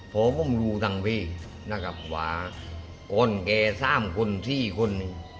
เพราะผมรู้ต่างพี่นะครับว่าคนแก้สามคนชี่คน